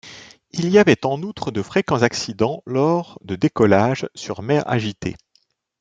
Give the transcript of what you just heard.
Il y avait en outre de fréquents accidents lors de décollage sur mer agitée.